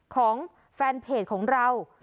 ของแฟนเพจของเรา